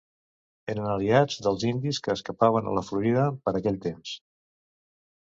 Eren aliats dels indis que escapaven a la Florida per aquell temps.